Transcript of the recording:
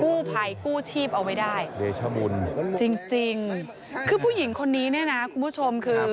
กู้ภัยกู้ชีพเอาไว้ได้เดชมุนจริงจริงคือผู้หญิงคนนี้เนี่ยนะคุณผู้ชมคือ